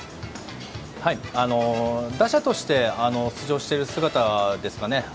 打者として出場している姿ですかね。